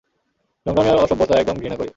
নোংরামি আর অসভ্যতা একদম ঘৃণা করি।